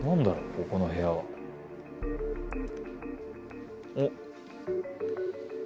ここの部屋は。おっ。